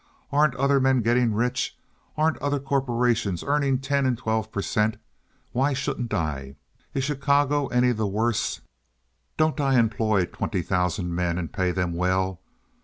Aren't other men getting rich? Aren't other corporations earning ten and twelve per cent? Why shouldn't I? Is Chicago any the worse? Don't I employ twenty thousand men and pay them well?